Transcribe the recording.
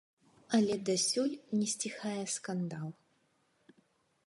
Але дасюль не сціхае скандал.